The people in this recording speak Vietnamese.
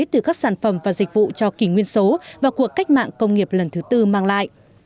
từ các sản phẩm và dịch vụ cho kỳ nguyên số và cuộc cách mạng công nghiệp lần thứ tư mang lại